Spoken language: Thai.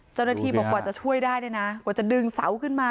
เจ้าหน้าที่บอกกว่าจะช่วยได้เนี่ยนะกว่าจะดึงเสาขึ้นมา